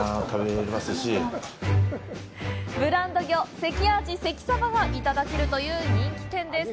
ブランド魚、関あじ・関さばがいただけるという人気店です。